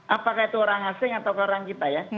apakah itu orang asing atau ke orang kita ya